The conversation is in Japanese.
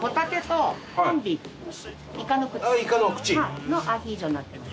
イカの口。のアヒージョになってます。